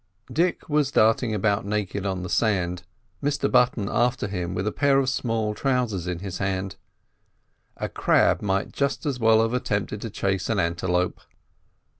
Dick was darting about naked on the sand, Mr Button after him with a pair of small trousers in his hand. A crab might just as well have attempted to chase an antelope.